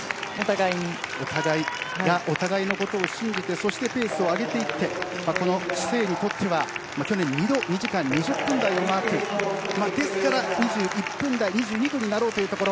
お互いがお互いのことを信じてそしてペースを上げていってこのシセイにとっては去年二度２時間２０分台をマークですから、２１分台２２分になろうというところ。